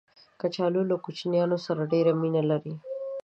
کچالو له کوچنیانو سره ډېر مینه لري